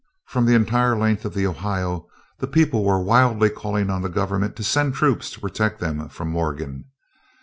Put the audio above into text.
From the entire length of the Ohio, the people were wildly calling on the government to send troops to protect them from Morgan.